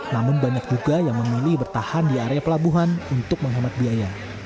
namun banyak juga yang memilih bertahan di area pelabuhan untuk menghemat biaya